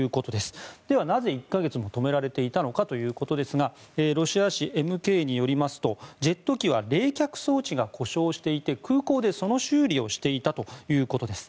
ではなぜ１か月も止められていたのかということですがロシア紙ＭＫによりますとジェット機は冷却装置が故障していて空港でその修理をしていたということです。